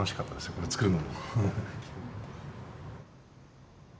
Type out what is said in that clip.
これ作るの。